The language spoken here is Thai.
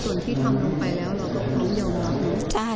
แต่ส่วนที่ท่องทำไปแล้วเราก็พร้อมยอมรับ